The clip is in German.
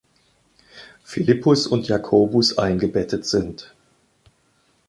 Philippus und Jakobus eingebettet sind.